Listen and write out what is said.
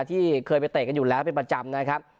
ที่เคยไปเตะกันอยู่แล้วเป็นประจำนะครับ